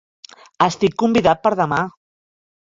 Estic convidat per a demà.